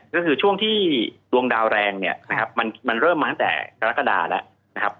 ก็คือช่วงที่ดวงดาวแรงนะครับ